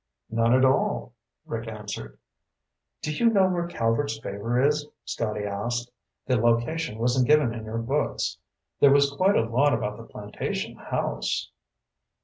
"None at all," Rick answered. "Do you know where Calvert's Favor is?" Scotty asked. "The location wasn't given in your books. There was quite a lot about the plantation house."